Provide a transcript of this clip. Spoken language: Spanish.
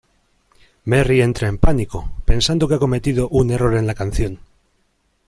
Merry entra en pánico, pensando que ha cometido un error en la canción.